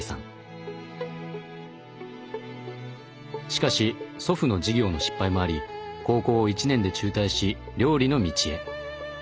しかし祖父の事業の失敗もあり高校を１年で中退し料理の道へ。